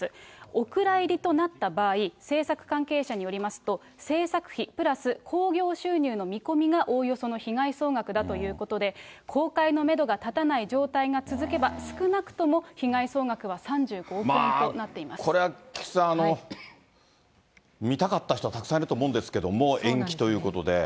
お蔵入りとなった場合、制作関係者によりますと、製作費プラス興行収入の見込みがおおよその被害費用だということで、公開のメドが立たない状態が続けば、少なくとも被害総額は３これは菊池さん、見たかった人はたくさんいると思うんですけれども、延期ということで。